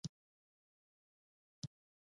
زه د ښوونځي پروګرامونه تنظیموم.